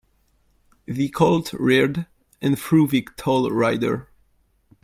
The colt reared and threw the tall rider.